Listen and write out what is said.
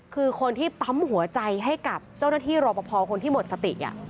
คือคนที่ปั๊มหัวใจให้กับเจ้าหน้าที่รอปภคนที่หมดสติ